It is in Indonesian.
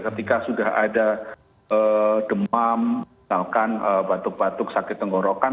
ketika sudah ada demam misalkan batuk batuk sakit tenggorokan